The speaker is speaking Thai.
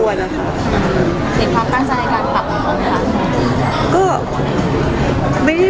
คิดว่าการใจการปรับอะไรค่ะ